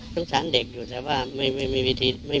กินโทษส่องแล้วอย่างนี้ก็ได้